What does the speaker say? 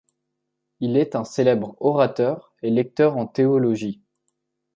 Il est un célèbre orateur et lecteur en théologie.